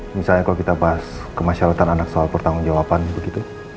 misalnya kalau kita bahas kemasyaratan anak soal pertanggung jawaban begitu